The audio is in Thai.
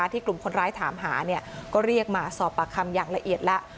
กลุ่มคนร้ายถามหาก็เรียกมาสอบปากคำอย่างละเอียดแล้ว